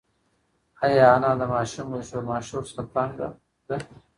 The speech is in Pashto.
ایا انا د ماشوم له شور ماشور څخه تنگه ده؟